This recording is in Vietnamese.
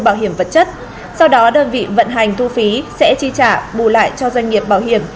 bảo hiểm vật chất sau đó đơn vị vận hành thu phí sẽ chi trả bù lại cho doanh nghiệp bảo hiểm